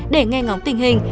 để nghe ngóng tình hình